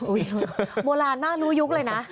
วิ่งลงโบราณมากรู้ยุคเลยนะ